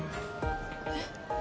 えっ？